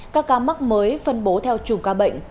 các ca mắc mới phân bố theo chùm ca bệnh